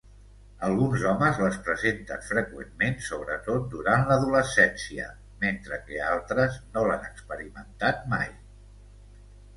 Alguns homes les presenten freqüentment, sobretot durant l'adolescència, mentre que altres no l'han experimentat mai.